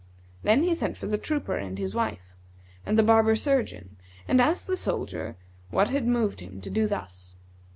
Then he sent for the trooper and his wife and the barber surgeon and asked the soldier what had moved him to do thus.